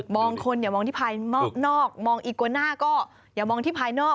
มองคนอย่ามองที่ภายนอกมองอีกวาหน้าก็อย่ามองที่ภายนอก